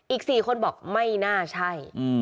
อีก๔คนบอกไม่น่าใช่